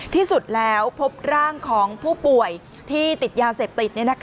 ที่สุดแล้วพบร่างของผู้ป่วยที่ติดยาเสพติด